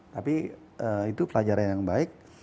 tapi itu pelajaran yang baik